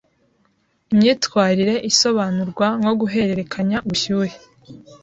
Imyitwarire isobanurwa nko guhererekanya ubushyuhe